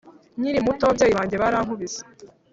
Nkiri muto ababyeyi banjye barankubise